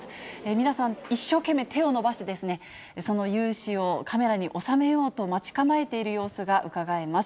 皆さん、一生懸命、手を伸ばして、その雄姿をカメラに収めようと、待ち構えている様子がうかがえます。